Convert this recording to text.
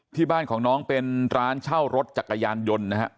ที่บ้านของน้องเป็นร้านเช่ารถจักรยานยนต์นะฮะ